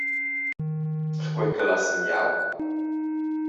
Perquei ch’el ha semiau?